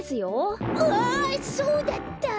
うわそうだった！